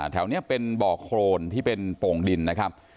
แถวนี้เป็นบ่อโครนที่เป็นโป่งดินนะครับ